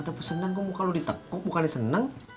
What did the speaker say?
ada pesenan kok muka lo ditekuk muka lo seneng